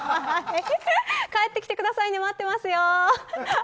帰ってきてくださいね待ってますよ。